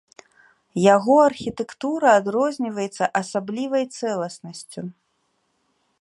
Яго архітэктура адрозніваецца асаблівай цэласнасцю.